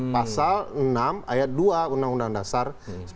pasal enam ayat dua undang undang dasar seribu sembilan ratus empat puluh